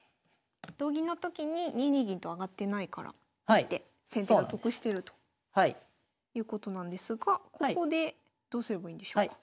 同銀の時に２二銀と上がってないから１手先手が得してるということなんですがここでどうすればいいんでしょうか。